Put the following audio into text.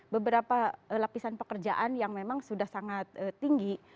beberapa lapisan pekerjaan yang memang sudah sangat tinggi